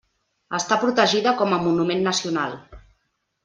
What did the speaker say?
Està protegida com a monument nacional.